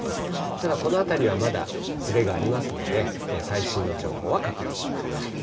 ただ、このあたりはまだ、ずれがありますので、最新の情報は確認してください。